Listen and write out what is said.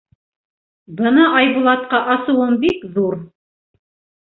Бына Айбулатҡа асыуым бик ҙур.